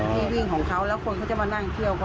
ที่วิ่งของเขาแล้วคนเขาจะมานั่งเที่ยวเขา